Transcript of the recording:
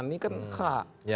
ini kan hak